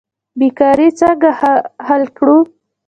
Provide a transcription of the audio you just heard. بیکاري څنګه حل کړو؟